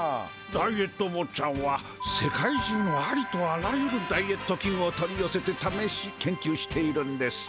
ダイエット坊ちゃんは世界中のありとあらゆるダイエット器具を取りよせてためし研究しているんです。